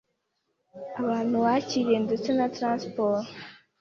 abantu wakiriye ndetse na transport.